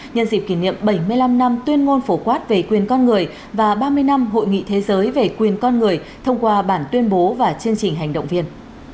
nhân dịp kỷ niệm bảy mươi năm năm tuyên ngôn phổ quát về quyền con người và ba mươi năm hội nghị thế giới về quyền con người thông qua bản tuyên bố và chương trình hành động viên